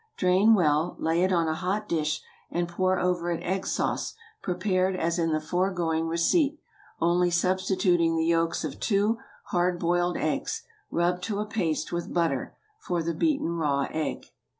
Drain well; lay it on a hot dish, and pour over it egg sauce prepared as in the foregoing receipt, only substituting the yolks of two hard boiled eggs, rubbed to a paste with butter, for the beaten raw egg.